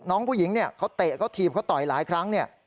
น้องผู้หญิงเขาเตะเขาทีบเขาต่อยหลายครั้ง